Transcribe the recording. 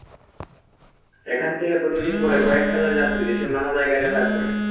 এখান থেকে প্রতিদিন গড়ে কয়েক হাজার যাত্রী দেশের নানা জায়গায় যাতায়াত করেন।